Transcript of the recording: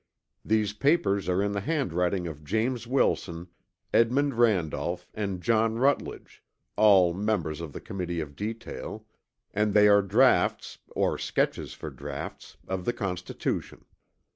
These papers are in the handwriting of James Wilson, Edmund Randolph and John Rutledge (all members of the Committee of Detail) and they are draughts (or sketches for draughts) of the Constitution.